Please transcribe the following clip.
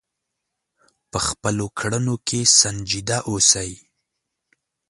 په خپلو کړنو کې سنجیده اوسئ.